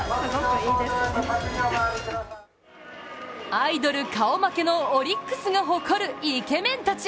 アイドル顔負けのオリックスが誇るイケメンたち。